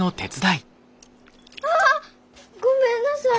ああごめんなさい。